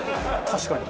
確かに。